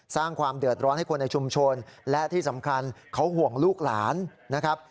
สร้างความเดือดร้อนให้คนในชุมชนและที่สำคัญเขาห่วงลูกหลานนะครับ